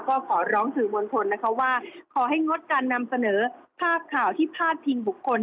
ก็ขอร้องสื่อมวลชนนะคะว่าขอให้งดการนำเสนอภาพข่าวที่พาดพิงบุคคล